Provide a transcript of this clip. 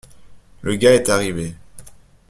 Le gars est arrivé.